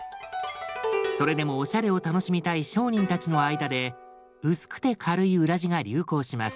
それでもおしゃれを楽しみたい商人たちの間で薄くて軽い裏地が流行します。